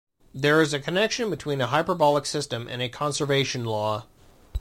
There is a connection between a hyperbolic system and a conservation law.